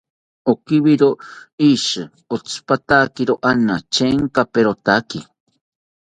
Okiwakiro ishi otzipatakiro ana, chengaperotaki